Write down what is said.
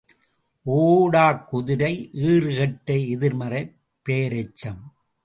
ஓடாக் குதிரை ஈறு கெட்ட எதிர்மறைப் பெயரெச்சம்.